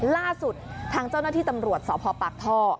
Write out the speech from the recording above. ล่าสุดทางเจ้านักธิรรมรวจสอบภพปากท่อ